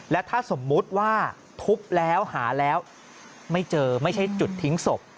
และถ้าสมมุติว่าทุบแล้วหาแล้วไม่เจอไม่ใช่จุดทิ้งศพ